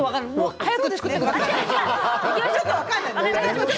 早く作ってください。